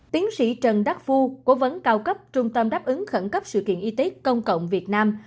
tiến sĩ trần đắc phu cố vấn cao cấp trung tâm đáp ứng khẩn cấp sự kiện y tế công cộng việt nam